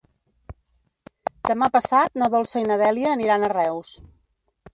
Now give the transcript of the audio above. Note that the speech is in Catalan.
Demà passat na Dolça i na Dèlia aniran a Reus.